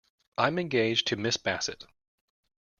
I'm engaged to Miss Bassett.